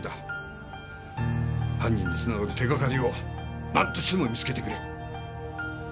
犯人に繋がる手掛かりをなんとしても見つけてくれ！